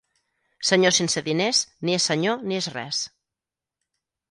Senyor sense diners, ni és senyor ni és res.